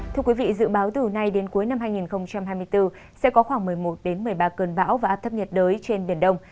thưa quý vị dự báo từ nay đến cuối năm hai nghìn hai mươi bốn sẽ có khoảng một mươi một một mươi ba cơn bão và áp thấp nhiệt đới trên biển đông